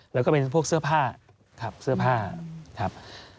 แล้วก็เป็นพวกเสื้อผ้าครับเสื้อผ้าครับ